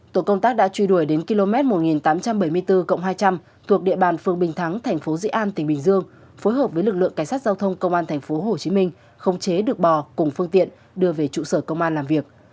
tổ công tác đã truy đuổi đến km một nghìn tám trăm bảy mươi bốn hai trăm linh thuộc địa bàn phương bình thắng thành phố dĩ an tỉnh bình dương phối hợp với lực lượng cảnh sát giao thông công an thành phố hồ chí minh không chế được bò cùng phương tiện đưa về trụ sở công an làm việc